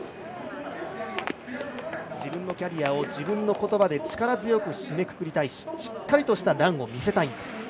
自分のキャリアを自分のことばで力強く締めくくりたいしっかりとしたランを見せたい。